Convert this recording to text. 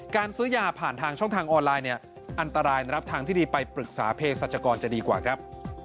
การซื้อยาผ่านทางช่องทางออนไลน์เนี่ยอันตรายรับทางที่ดีไปปรึกษาเพศรัชกรจะดีกว่าครับ